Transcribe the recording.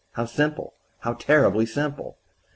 How simple how terribly simple!